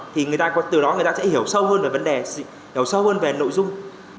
thì từ đó người ta sẽ hiểu sâu hơn về vấn đề hiểu sâu hơn về nội dung